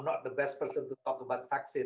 untuk membicarakan tentang vaksin